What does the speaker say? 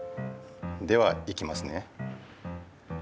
ではいきますね。